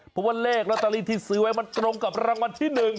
เพราะว่าเลขแล้วตะลิที่ซื้อไว้มันตรงกับรางวัลที่หนึ่ง